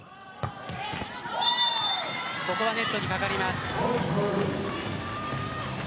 ここはネットに掛かります。